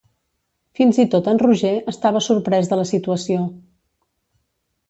Fins i tot en Roger estava sorprès de la situació.